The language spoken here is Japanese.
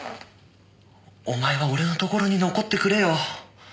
お前は俺のところに残ってくれよ。